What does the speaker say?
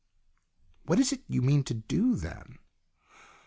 " What is it you mean to do, then